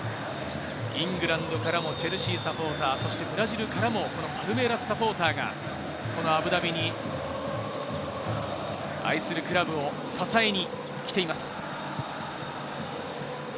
イングランドからもチェルシーサポーター、そしてブラジルからもパルメイラスサポーターがアブダビに愛するクラブを支えに来ています。